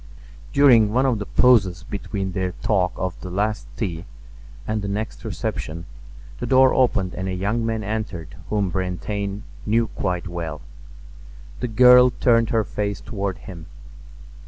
During one of the pauses between their talk of the last tea and the next reception the door opened and a young man entered whom Brantain knew quite well. The girl turned her face toward him.